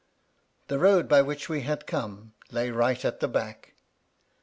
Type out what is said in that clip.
The road by which we had come lay right at the back.